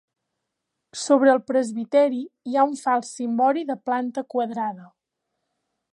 Sobre el presbiteri hi ha un fals cimbori de planta quadrada.